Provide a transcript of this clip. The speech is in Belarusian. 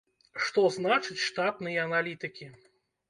Што значыць штатныя аналітыкі?